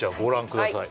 ください